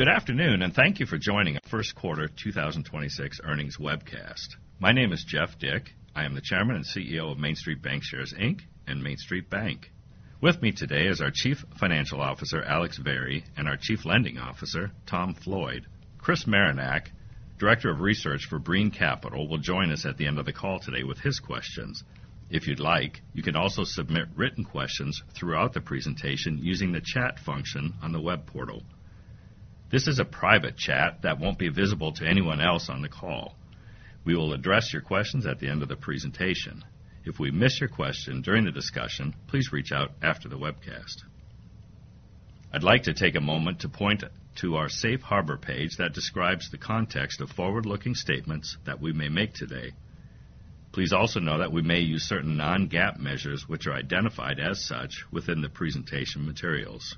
Good afternoon, and thank you for joining our first quarter 2026 earnings webcast. My name is Jeff Dick. I am the Chairman and Chief Executive Officer of MainStreet Bancshares, Inc., and MainStreet Bank. With me today is our Chief Financial Officer, Alex Vari, and our Chief Lending Officer, Tom Floyd. Chris Marinac, Director of Research for Brean Capital, will join us at the end of the call today with his questions. If you'd like, you can also submit written questions throughout the presentation using the chat function on the web portal. This is a private chat that won't be visible to anyone else on the call. We will address your questions at the end of the presentation. If we miss your question during the discussion, please reach out after the webcast. I'd like to take a moment to point to our Safe Harbor page that describes the context of forward-looking statements that we may make today. Please also know that we may use certain non-GAAP measures which are identified as such within the presentation materials.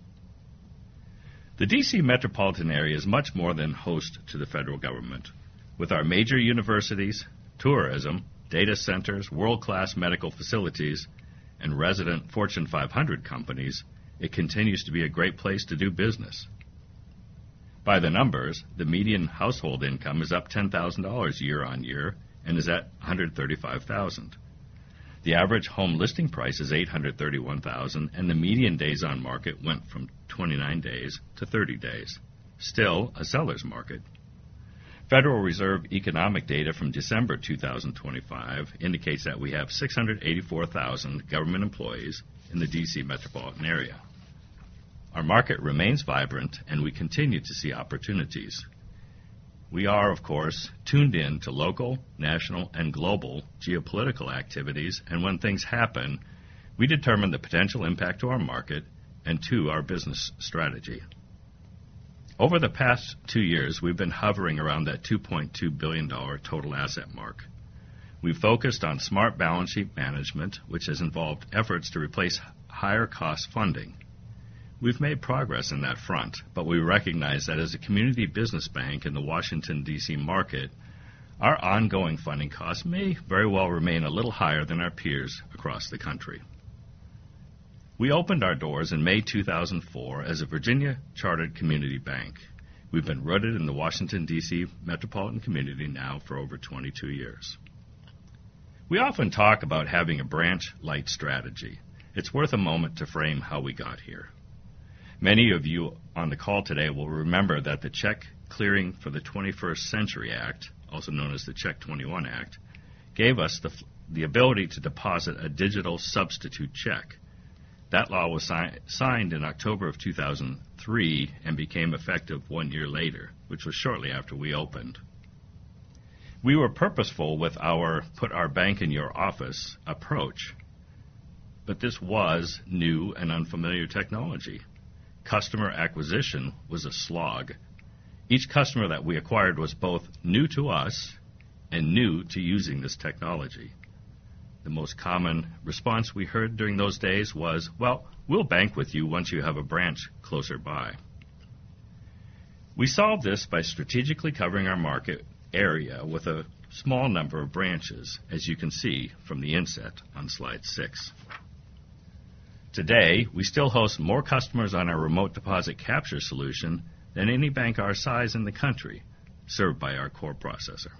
The D.C. metropolitan area is much more than host to the federal government. With our major universities, tourism, data centers, world-class medical facilities, and resident Fortune 500 companies, it continues to be a great place to do business. By the numbers, the median household income is up $10,000 YoY and is at $135,000. The average home listing price is $831,000, and the median days on market went from 29 days to 30 days. Still a seller's market. Federal Reserve economic data from December 2025 indicates that we have 684,000 government employees in the D.C. metropolitan area. Our market remains vibrant and we continue to see opportunities. We are, of course, tuned in to local, national, and global geopolitical activities and when things happen, we determine the potential impact to our market and to our business strategy. Over the past two years, we've been hovering around that $2.2 billion total asset mark. We've focused on smart balance sheet management, which has involved efforts to replace higher cost funding. We've made progress on that front, but we recognize that as a community business bank in the Washington, D.C. market, our ongoing funding costs may very well remain a little higher than our peers across the country. We opened our doors in May 2004 as a Virginia-chartered community bank. We've been rooted in the Washington, D.C. metropolitan community now for over 22 years. We often talk about having a branch-light strategy. It's worth a moment to frame how we got here. Many of you on the call today will remember that the Check Clearing for the 21st Century Act, also known as the Check 21 Act, gave us the ability to deposit a digital substitute check. That law was signed in October of 2003 and became effective one year later, which was shortly after we opened. We were purposeful with our put our bank in your office approach, but this was new and unfamiliar technology. Customer acquisition was a slog. Each customer that we acquired was both new to us and new to using this technology. The most common response we heard during those days was, "Well, we'll bank with you once you have a branch closer by." We solved this by strategically covering our market area with a small number of branches, as you can see from the inset on slide six. Today, we still host more customers on our Remote Deposit Capture solution than any bank our size in the country served by our core processor.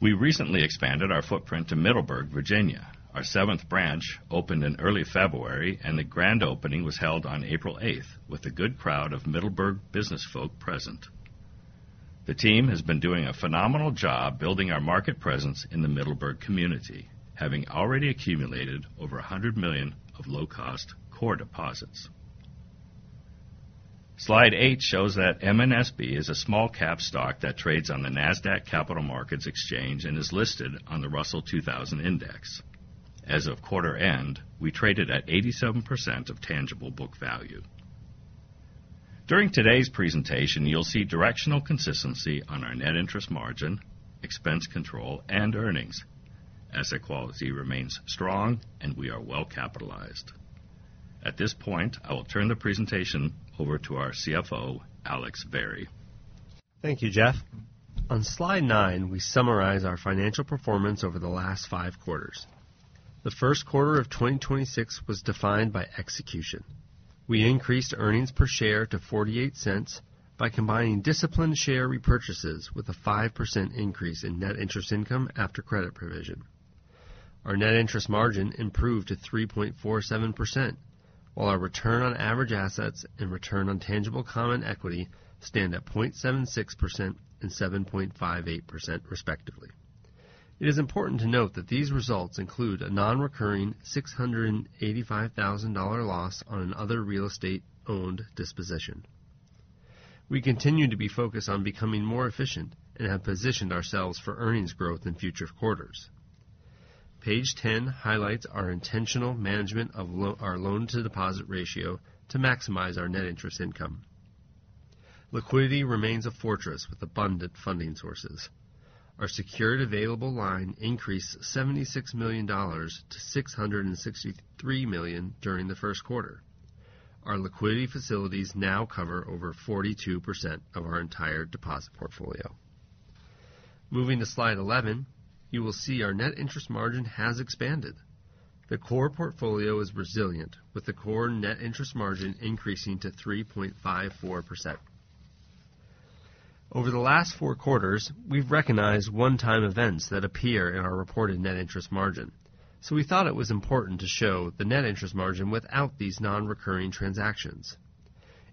We recently expanded our footprint to Middleburg, Virginia. Our seventh branch opened in early February, and the grand opening was held on April 8th with a good crowd of Middleburg business folk present. The team has been doing a phenomenal job building our market presence in the Middleburg community, having already accumulated over $100 million of low-cost core deposits. Slide eight shows that MNSB is a small-cap stock that trades on the Nasdaq Capital Market and is listed on the Russell 2000 Index. As of quarter end, we traded at 87% of tangible book value. During today's presentation, you'll see directional consistency on our net interest margin, expense control, and earnings. Asset quality remains strong, and we are well capitalized. At this point, I will turn the presentation over to our Chief Financial Officer, Alex Vari. Thank you, Jeff. On slide nine, we summarize our financial performance over the last five quarters. The first quarter of 2026 was defined by execution. We increased earnings per share to $0.48 by combining disciplined share repurchases with a 5% increase in net interest income after credit provision. Our net interest margin improved to 3.47%, while our Return on Average Assets and Return on Tangible Common Equity stand at 0.76% and 7.58%, respectively. It is important to note that these results include a non-recurring $685,000 loss on an Other Real Estate Owned disposition. We continue to be focused on becoming more efficient and have positioned ourselves for earnings growth in future quarters. Page 10 highlights our intentional management of our loan-to-deposit ratio to maximize our net interest income. Liquidity remains a fortress with abundant funding sources. Our secured available line increased $76 million to $663 million during the first quarter. Our liquidity facilities now cover over 42% of our entire deposit portfolio. Moving to slide 11, you will see our net interest margin has expanded. The core portfolio is resilient, with the core net interest margin increasing to 3.54%. Over the last four quarters, we've recognized one-time events that appear in our reported net interest margin. We thought it was important to show the net interest margin without these non-recurring transactions.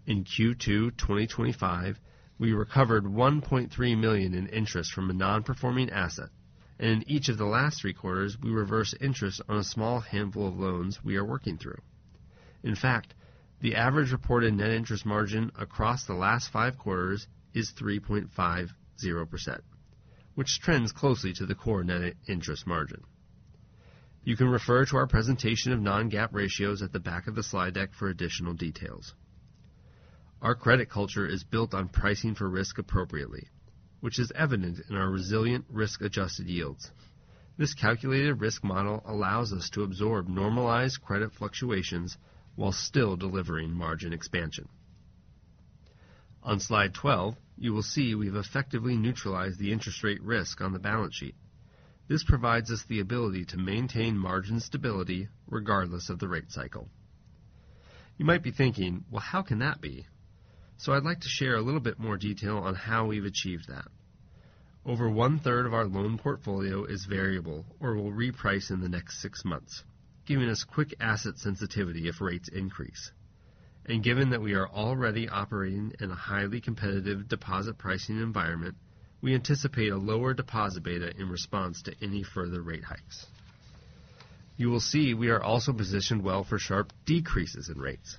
In Q2 2025, we recovered $1.3 million in interest from a non-performing asset, and in each of the last three quarters, we reversed interest on a small handful of loans we are working through. In fact, the average reported net interest margin across the last five quarters is 3.50%, which trends closely to the core net interest margin. You can refer to our presentation of non-GAAP ratios at the back of the slide deck for additional details. Our credit culture is built on pricing for risk appropriately, which is evident in our resilient risk-adjusted yields. This calculated risk model allows us to absorb normalized credit fluctuations while still delivering margin expansion. On slide 12, you will see we've effectively neutralized the interest rate risk on the balance sheet. This provides us the ability to maintain margin stability regardless of the rate cycle. You might be thinking, "Well, how can that be?" I'd like to share a little bit more detail on how we've achieved that. Over one-third of our loan portfolio is variable or will reprice in the next six months, giving us quick asset sensitivity if rates increase. Given that we are already operating in a highly competitive deposit pricing environment, we anticipate a lower deposit beta in response to any further rate hikes. You will see we are also positioned well for sharp decreases in rates.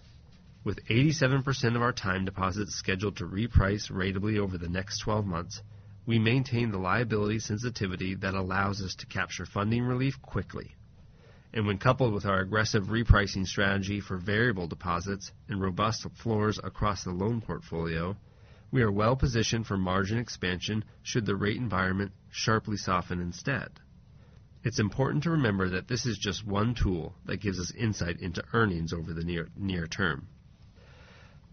With 87% of our time deposits scheduled to reprice ratably over the next 12 months, we maintain the liability sensitivity that allows us to capture funding relief quickly. When coupled with our aggressive repricing strategy for variable deposits and robust floors across the loan portfolio, we are well positioned for margin expansion should the rate environment sharply soften instead. It's important to remember that this is just one tool that gives us insight into earnings over the near term.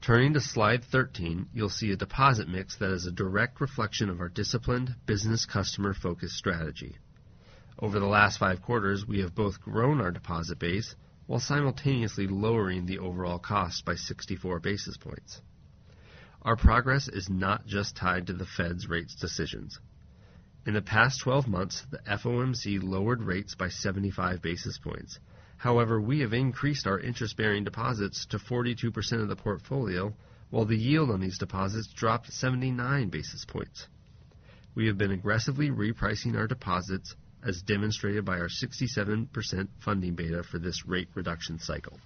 Turning to slide 13, you'll see a deposit mix that is a direct reflection of our disciplined business customer-focused strategy. Over the last five quarters, we have both grown our deposit base while simultaneously lowering the overall cost by 64 basis points. Our progress is not just tied to the Fed's rate decisions. In the past 12 months, the FOMC lowered rates by 75 basis points. However, we have increased our interest-bearing deposits to 42% of the portfolio, while the yield on these deposits dropped 79 basis points. We have been aggressively repricing our deposits as demonstrated by our 67% funding beta for this rate reduction cycle.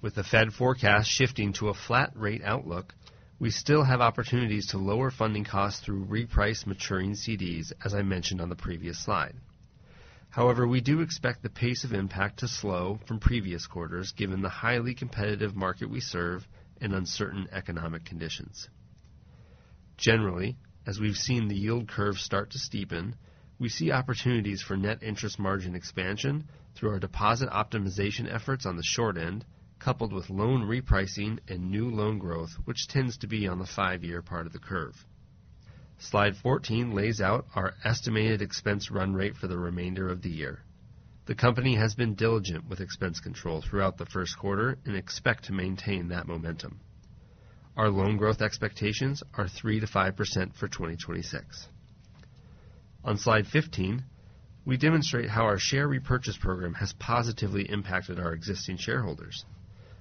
With the Fed forecast shifting to a flat rate outlook, we still have opportunities to lower funding costs through repricing maturing CDs, as I mentioned on the previous slide. However, we do expect the pace of impact to slow from previous quarters given the highly competitive market we serve and uncertain economic conditions. Generally, as we've seen the yield curve start to steepen, we see opportunities for net interest margin expansion through our deposit optimization efforts on the short end, coupled with loan repricing and new loan growth, which tends to be on the five-year part of the curve. Slide 14 lays out our estimated expense run rate for the remainder of the year. The company has been diligent with expense control throughout the first quarter and expect to maintain that momentum. Our loan growth expectations are 3%-5% for 2026. On slide 15, we demonstrate how our share repurchase program has positively impacted our existing shareholders.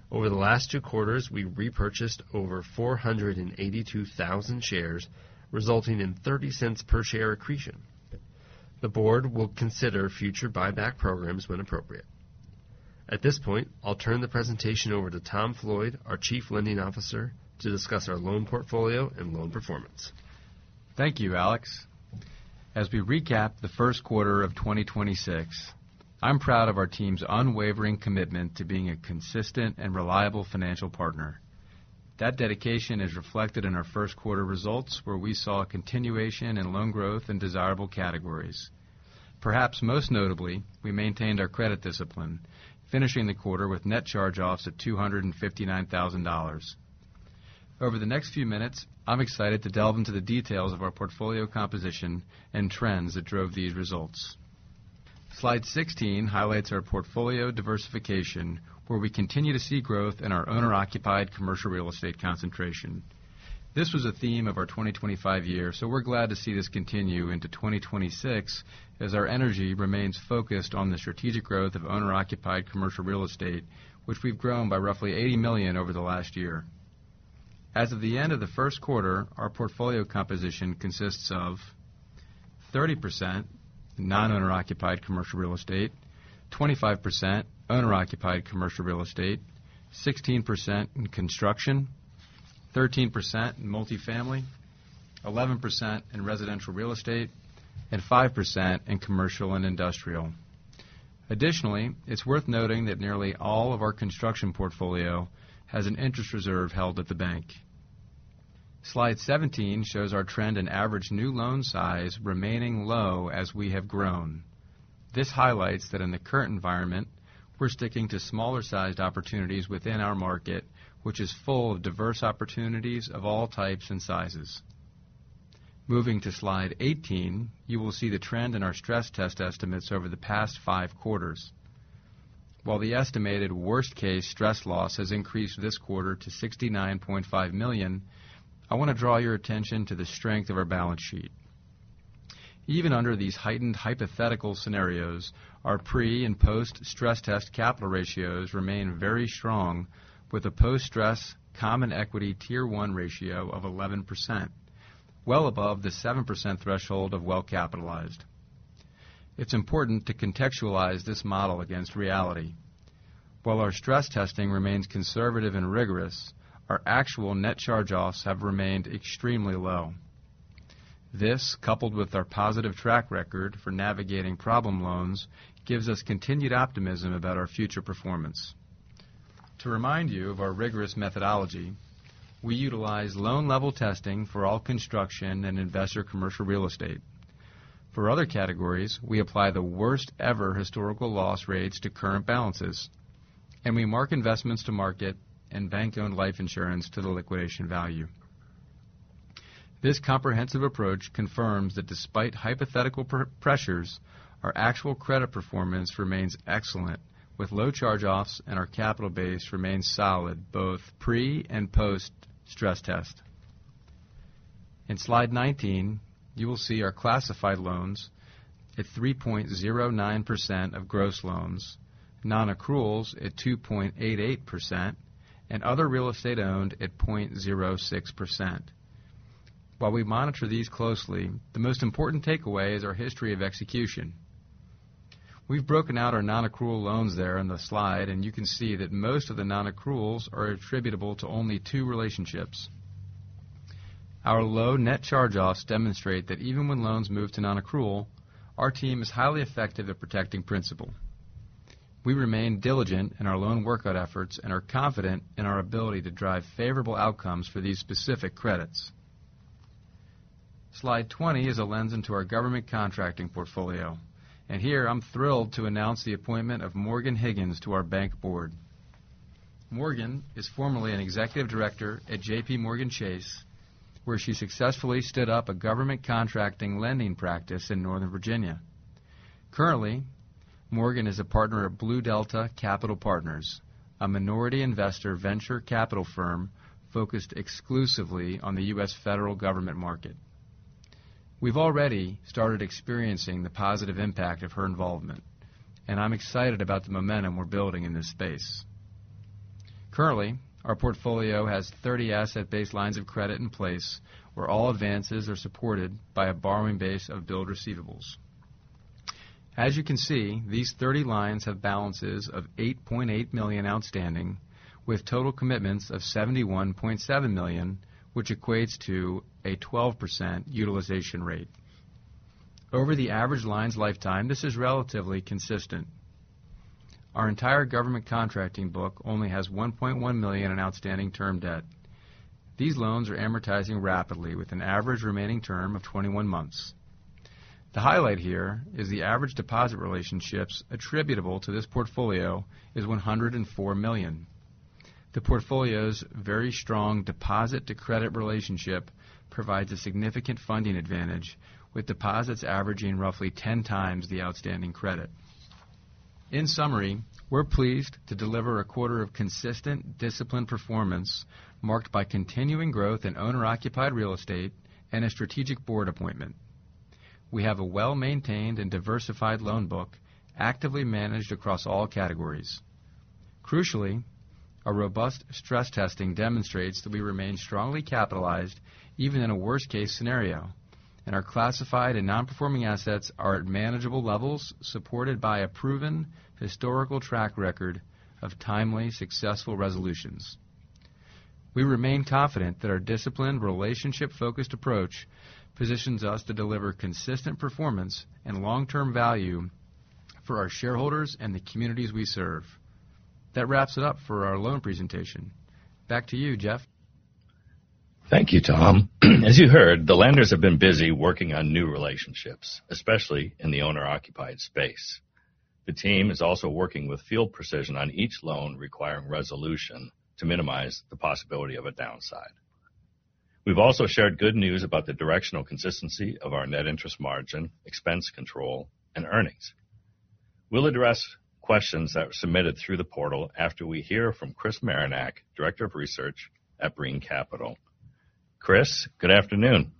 Over the last two quarters, we repurchased over 482,000 shares, resulting in $0.30 per share accretion. The board will consider future buyback programs when appropriate. At this point, I'll turn the presentation over to Tom Floyd, our Chief Lending Officer, to discuss our loan portfolio and loan performance. Thank you, Alex. As we recap the first quarter of 2026, I'm proud of our team's unwavering commitment to being a consistent and reliable financial partner. That dedication is reflected in our first quarter results, where we saw a continuation in loan growth in desirable categories. Perhaps most notably, we maintained our credit discipline, finishing the quarter with net charge-offs at $259,000. Over the next few minutes, I'm excited to delve into the details of our portfolio composition and trends that drove these results. Slide 16 highlights our portfolio diversification, where we continue to see growth in our owner-occupied commercial real estate concentration. This was a theme of our 2025 year, so we're glad to see this continue into 2026 as our energy remains focused on the strategic growth of owner-occupied commercial real estate, which we've grown by roughly $80 million over the last year. As of the end of the first quarter, our portfolio composition consists of 30% non-owner occupied commercial real estate, 25% owner-occupied commercial real estate, 16% in construction, 13% in multi-family, 11% in residential real estate, and 5% in commercial and industrial. Additionally, it's worth noting that nearly all of our construction portfolio has an interest reserve held at the bank. Slide 17 shows our trend in average new loan size remaining low as we have grown. This highlights that in the current environment, we're sticking to smaller sized opportunities within our market, which is full of diverse opportunities of all types and sizes. Moving to slide 18, you will see the trend in our stress test estimates over the past five quarters. While the estimated worst-case stress loss has increased this quarter to $69.5 million, I want to draw your attention to the strength of our balance sheet. Even under these heightened hypothetical scenarios, our pre- and post-stress test capital ratios remain very strong, with a post-stress Common Equity Tier 1 ratio of 11%, well above the 7% threshold of well capitalized. It's important to contextualize this model against reality. While our stress testing remains conservative and rigorous, our actual net charge-offs have remained extremely low. This, coupled with our positive track record for navigating problem loans, gives us continued optimism about our future performance. To remind you of our rigorous methodology, we utilize loan-level testing for all construction and investor commercial real estate. For other categories, we apply the worst-ever historical loss rates to current balances, and we mark investments to market and bank-owned life insurance to the liquidation value. This comprehensive approach confirms that despite hypothetical pressures, our actual credit performance remains excellent. With low charge-offs, and our capital base remains solid, both pre- and post-stress test. In slide 19, you will see our classified loans at 3.09% of gross loans, non-accruals at 2.88%, and Other Real Estate Owned at 0.06%. While we monitor these closely, the most important takeaway is our history of execution. We've broken out our non-accrual loans there in the slide, and you can see that most of the non-accruals are attributable to only two relationships. Our low net charge-offs demonstrate that even when loans move to non-accrual, our team is highly effective at protecting principal. We remain diligent in our loan workout efforts and are confident in our ability to drive favorable outcomes for these specific credits. Slide 20 is a lens into our government contracting portfolio, and here I'm thrilled to announce the appointment of Morgan Higgins to our bank board. Morgan is formerly an executive director at JPMorgan Chase, where she successfully stood up a government contracting lending practice in Northern Virginia. Currently, Morgan is a partner at Blue Delta Capital Partners, a minority investor venture capital firm focused exclusively on the U.S. federal government market. We've already started experiencing the positive impact of her involvement, and I'm excited about the momentum we're building in this space. Currently, our portfolio has 30 asset-based lines of credit in place where all advances are supported by a borrowing base of billed receivables. As you can see, these 30 lines have balances of $8.8 million outstanding, with total commitments of $71.7 million, which equates to a 12% utilization rate. Over the average line's lifetime, this is relatively consistent. Our entire government contracting book only has $1.1 million in outstanding term debt. These loans are amortizing rapidly with an average remaining term of 21 months. The highlight here is the average deposit relationships attributable to this portfolio is $104 million. The portfolio's very strong deposit-to-credit relationship provides a significant funding advantage, with deposits averaging roughly 10 times the outstanding credit. In summary, we're pleased to deliver a quarter of consistent disciplined performance marked by continuing growth in owner-occupied real estate and a strategic board appointment. We have a well-maintained and diversified loan book actively managed across all categories. Crucially, a robust stress testing demonstrates that we remain strongly capitalized even in a worst-case scenario, and our classified and non-performing assets are at manageable levels, supported by a proven historical track record of timely, successful resolutions. We remain confident that our disciplined, relationship-focused approach positions us to deliver consistent performance and long-term value for our shareholders and the communities we serve. That wraps it up for our loan presentation. Back to you, Jeff. Thank you, Tom. As you heard, the lenders have been busy working on new relationships, especially in the owner-occupied space. The team is also working with field precision on each loan requiring resolution to minimize the possibility of a downside. We've also shared good news about the directional consistency of our net interest margin, expense control, and earnings. We'll address questions that were submitted through the portal after we hear from Christopher Marinac, Director of Research at Brean Capital. Chris, good afternoon.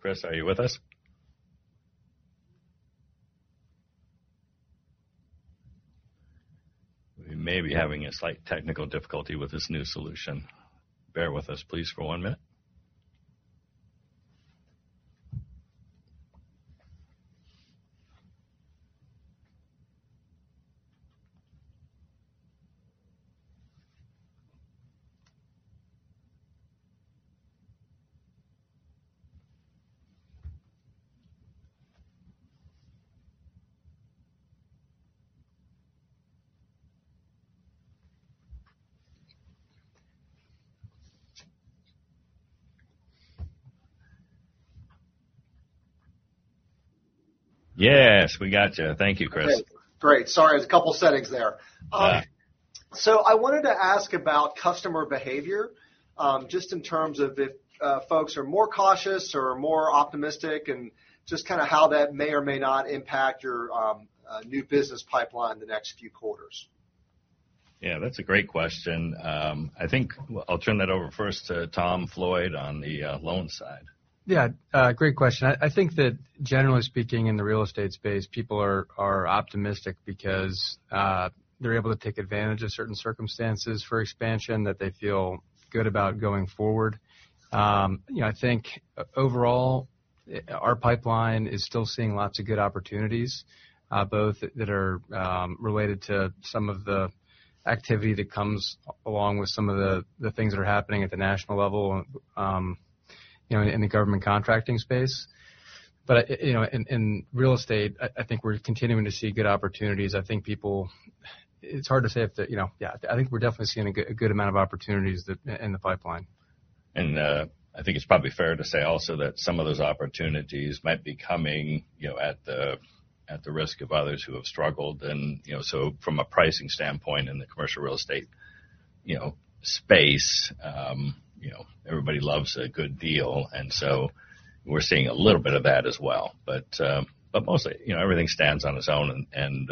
Chris, are you with us? We may be having a slight technical difficulty with this new solution. Bear with us, please, for one minute. Yes, we got you. Thank you, Chris. Great. Sorry, it's a couple of settings there. Yeah. I wanted to ask about customer behavior, just in terms of if folks are more cautious or more optimistic and just how that may or may not impact your new business pipeline the next few quarters? Yeah, that's a great question. I think I'll turn that over first to Tom Floyd on the loans side. Yeah. Great question. I think that generally speaking, in the real estate space, people are optimistic because they're able to take advantage of certain circumstances for expansion that they feel good about going forward. I think overall, our pipeline is still seeing lots of good opportunities, both that are related to some of the activity that comes along with some of the things that are happening at the national level in the government contracting space. In real estate, I think we're continuing to see good opportunities. Yeah, I think we're definitely seeing a good amount of opportunities in the pipeline. I think it's probably fair to say also that some of those opportunities might be coming at the risk of others who have struggled. From a pricing standpoint in the commercial real estate space, everybody loves a good deal, and so we're seeing a little bit of that as well. Mostly, everything stands on its own, and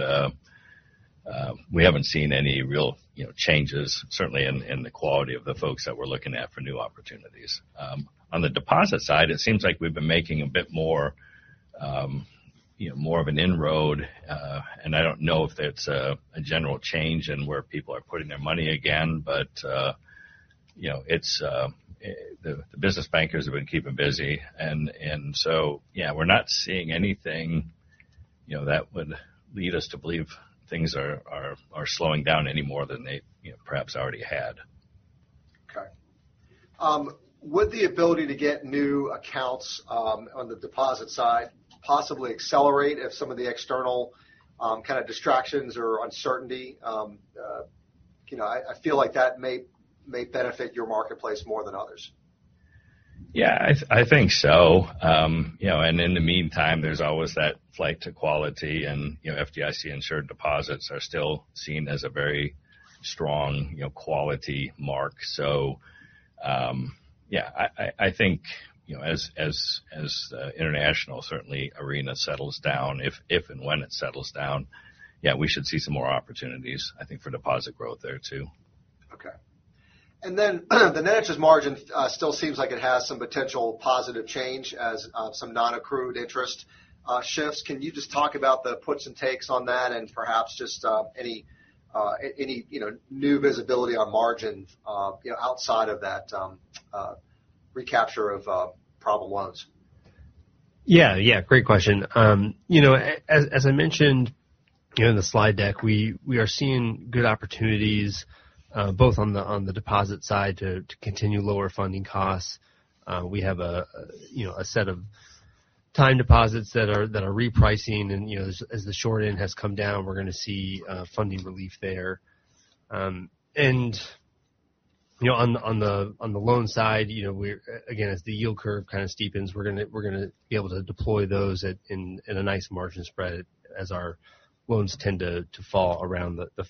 we haven't seen any real changes, certainly in the quality of the folks that we're looking at for new opportunities. On the deposit side, it seems like we've been making a bit more of an inroad. I don't know if that's a general change in where people are putting their money again. The business bankers have been keeping busy. Yeah, we're not seeing anything that would lead us to believe things are slowing down any more than they perhaps already had. Okay. Would the ability to get new accounts on the deposit side possibly accelerate if some of the external kind of distractions or uncertainty? I feel like that may benefit your marketplace more than others. Yeah, I think so. In the meantime, there's always that flight to quality, and FDIC-insured deposits are still seen as a very strong quality mark. Yeah, I think as the international arena settles down, if and when it settles down, yeah, we should see some more opportunities, I think, for deposit growth there, too. Okay. The Net Interest Margin still seems like it has some potential positive change as some non-accrual interest shifts. Can you just talk about the puts and takes on that and perhaps just any new visibility on margin outside of that recapture of problem loans? Yeah. Great question. As I mentioned in the slide deck, we are seeing good opportunities both on the deposit side to continue lower funding costs. We have a set of time deposits that are repricing, and as the short end has come down, we're going to see funding relief there. On the loan side, again, as the yield curve steepens, we're going to be able to deploy those in a nice margin spread as our loans tend to fall around the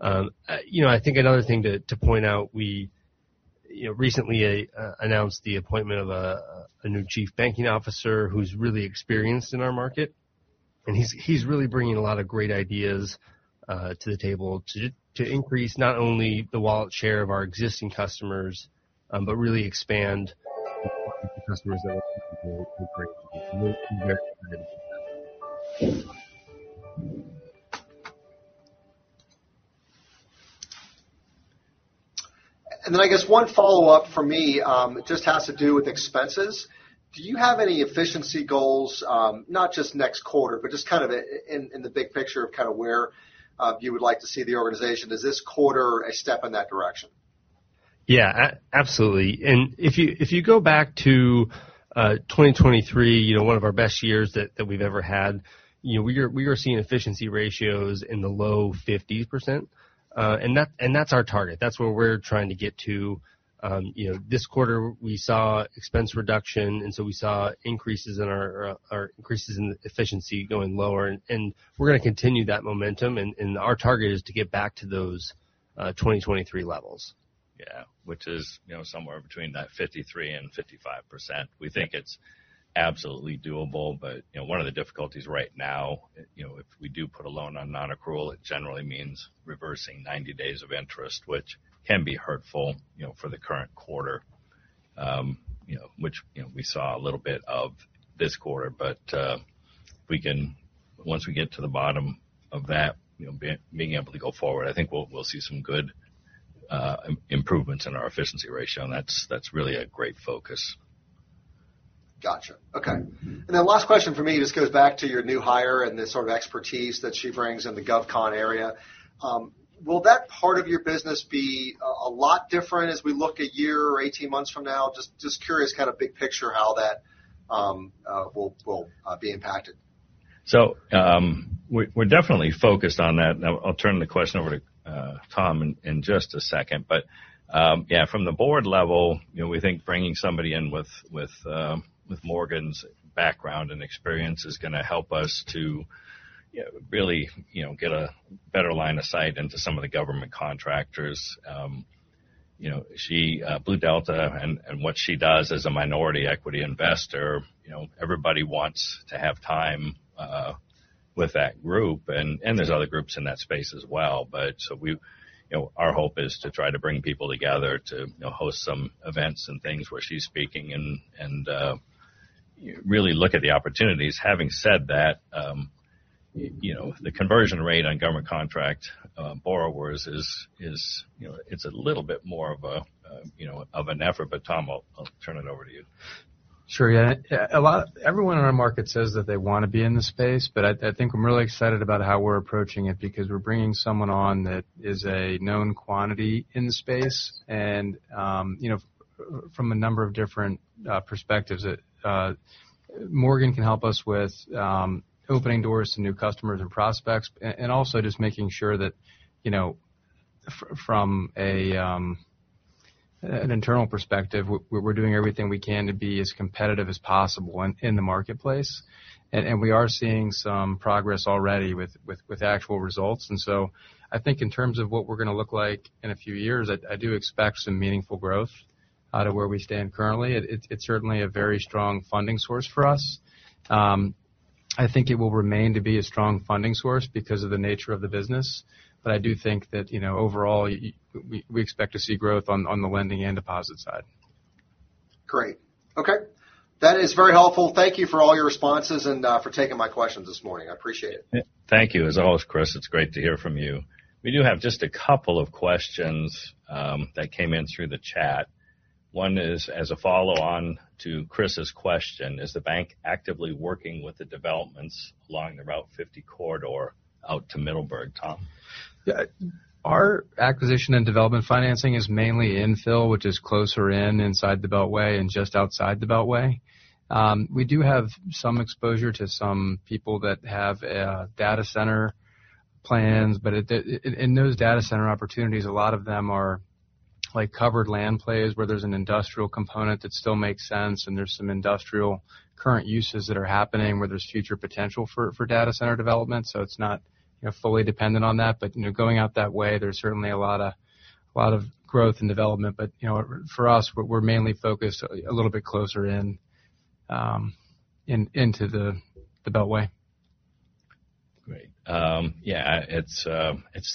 five-year. I think another thing to point out, we recently announced the appointment of a new chief banking officer who's really experienced in our market, and he's really bringing a lot of great ideas to the table to increase not only the wallet share of our existing customers but really expand the customers that we're looking for. We're very excited about that. I guess one follow-up from me, just has to do with expenses. Do you have any efficiency goals? Not just next quarter, but just in the big picture of where you would like to see the organization. Is this quarter a step in that direction? Yeah, absolutely. If you go back to 2023, one of our best years that we've ever had, we are seeing efficiency ratios in the low 50%. That's our target. That's where we're trying to get to. This quarter, we saw expense reduction, and so we saw increases in the efficiency going lower, and we're going to continue that momentum, and our target is to get back to those 2023 levels. Yeah. Which is somewhere between that 53%-55%. We think it's absolutely doable, but one of the difficulties right now, if we do put a loan on non-accrual, it generally means reversing 90 days of interest, which can be hurtful for the current quarter. Which we saw a little bit of this quarter. Once we get to the bottom of that, being able to go forward, I think we'll see some good improvements in our efficiency ratio, and that's really a great focus. Got you. Okay. Last question from me, this goes back to your new hire and the sort of expertise that she brings in the GovCon area. Will that part of your business be a lot different as we look a year or 18 months from now? Just curious, kind of big picture, how that will be impacted. We're definitely focused on that. I'll turn the question over to Tom in just a second, but yeah, from the board level, we think bringing somebody in with Morgan's background and experience is going to help us to really get a better line of sight into some of the government contractors. Blue Delta and what she does as a minority equity investor, everybody wants to have time with that group. There's other groups in that space as well. Our hope is to try to bring people together to host some events and things where she's speaking and really look at the opportunities. Having said that, the conversion rate on government contract borrowers is a little bit more of an effort. Tom, I'll turn it over to you. Sure. Yeah. Everyone in our market says that they want to be in the space, but I think I'm really excited about how we're approaching it because we're bringing someone on that is a known quantity in the space and from a number of different perspectives. Morgan can help us with opening doors to new customers and prospects and also just making sure that from an internal perspective, we're doing everything we can to be as competitive as possible in the marketplace. We are seeing some progress already with actual results. I think in terms of what we're going to look like in a few years, I do expect some meaningful growth out of where we stand currently. It's certainly a very strong funding source for us. I think it will remain to be a strong funding source because of the nature of the business. I do think that overall, we expect to see growth on the lending and deposit side. Great. Okay. That is very helpful. Thank you for all your responses and for taking my questions this morning. I appreciate it. Thank you. As always, Chris, it's great to hear from you. We do have just a couple of questions that came in through the chat. One is as a follow-on to Chris's question, is the bank actively working with the developments along the Route 50 corridor out to Middleburg, Tom? Our acquisition and development financing is mainly infill, which is closer in, inside the Beltway and just outside the Beltway. We do have some exposure to some people that have data center plans, but in those data center opportunities, a lot of them are covered land plays where there's an industrial component that still makes sense, and there's some industrial current uses that are happening where there's future potential for data center development. It's not fully dependent on that. Going out that way, there's certainly a lot of growth and development, but for us, we're mainly focused a little bit closer in to the Beltway. Great. Yeah, it's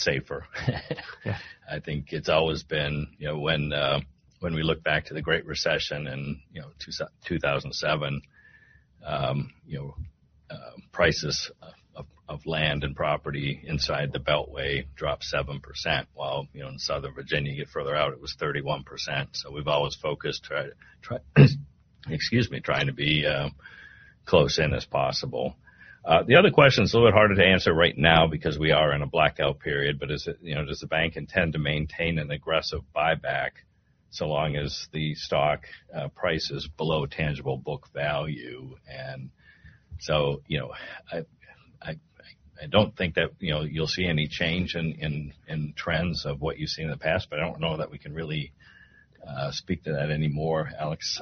safer. Yeah. I think it's always been when we look back to the Great Recession in 2007, prices of land and property inside the beltway dropped 7%, while in Southern Virginia, you get further out, it was 31%. We've always focused trying to be close in as possible. The other question is a little bit harder to answer right now because we are in a blackout period, but does the bank intend to maintain an aggressive buyback so long as the stock price is below Tangible Book Value? I don't think that you'll see any change in trends of what you've seen in the past, but I don't know that we can really speak to that anymore. Alex?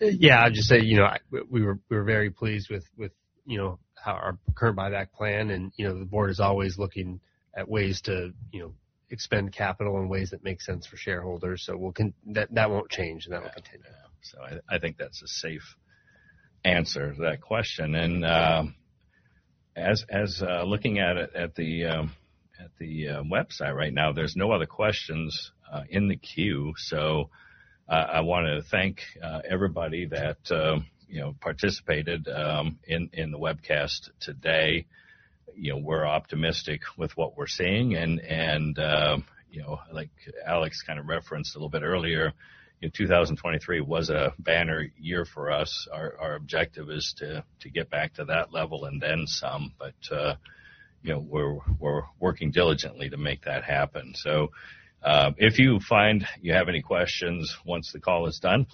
Yeah. I'd just say we're very pleased with our current buyback plan, and the board is always looking at ways to expend capital in ways that make sense for shareholders. That won't change, and that will continue. I think that's a safe answer to that question. Looking at the website right now, there's no other questions in the queue. I want to thank everybody that participated in the webcast today. We're optimistic with what we're seeing, and like Alex kind of referenced a little bit earlier, 2023 was a banner year for us. Our objective is to get back to that level and then some, but we're working diligently to make that happen. If you find you have any questions once the call is done, please-